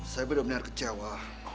saya benar benar kecewa